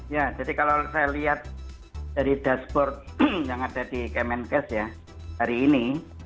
ya jadi kalau saya lihat dari dashboard yang ada di kemenkes ya hari ini